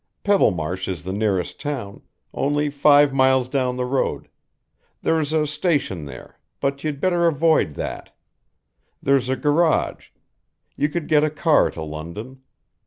Pebblemarsh is the nearest town, only five miles down the road; there's a station there, but you'd better avoid that. There's a garage. You could get a car to London.